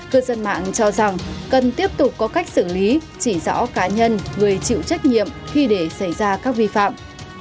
cơ dân mạng cho rằng cần tiếp tục có cách xử lý chỉ rõ cá nhân người chịu trách nhiệm khi để xảy ra các vi phạm